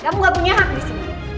kamu gak punya hak disini